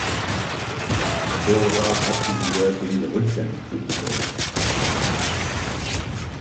Zora hatte ihr den Rücken zugedreht.